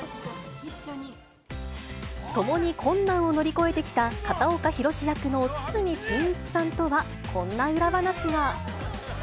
共に困難を乗り越えてきた片岡洋役の堤真一さんとはこんな裏話が。